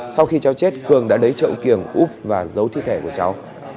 sau khi cháu chết cường đã lấy chậu kiềng úp và giấu thi thể của cháu